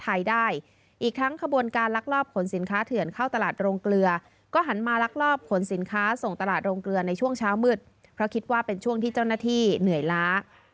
อีกทั้งขบวนการลักลอบขนสินค้าเถื่อนเข้าตลาดโรงเกลือก็หันมาลักลอบขนสินค้าส่งตลาดโรงเกลือในช่วงเช้ามืดเพราะคิดว่าเป็นช่วงที่เจ้าหน้าที่เหนื่อยล้า